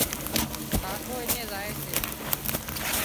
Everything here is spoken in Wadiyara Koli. ڪاڪو اڃين زائي سي